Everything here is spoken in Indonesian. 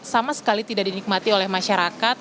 sama sekali tidak dinikmati oleh masyarakat